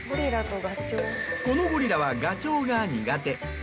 このゴリラはガチョウが苦手。